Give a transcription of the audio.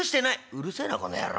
「うるせえなこの野郎。